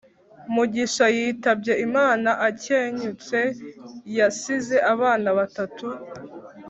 Mugisha yitabye Imana akenyutse yasize abana batatu